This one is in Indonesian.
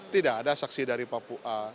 tidak ada saksi dari papua